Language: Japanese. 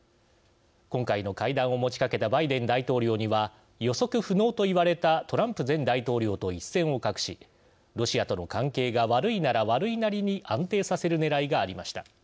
今回の会談を持ちかけたバイデン大統領には予測不能と言われたトランプ前大統領と一線を画しロシアとの関係が悪いなら悪いなりに安定させるねらいがありました。